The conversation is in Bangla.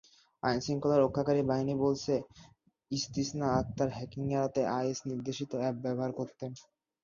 আইনশৃঙ্খলা রক্ষাকারী বাহিনী বলছে, ইসতিসনা আক্তার হ্যাকিং এড়াতে আইএস-নির্দেশিত অ্যাপ ব্যবহার করতেন।